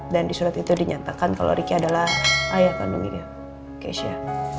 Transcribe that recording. dan di surat itu dinyatakan kalau riki adalah ayah kandungnya keisha